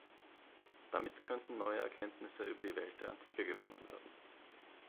Damit könnten neue Erkenntnisse über die Welt der Antike gewonnen werden.